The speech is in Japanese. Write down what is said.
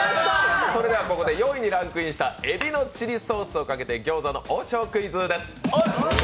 それではここで４位にランクインしました海老のチリソースをかけて餃子の王将クイズです。